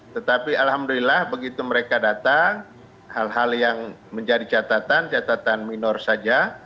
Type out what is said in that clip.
tetapi alhamdulillah begitu mereka datang hal hal yang menjadi catatan catatan minor saja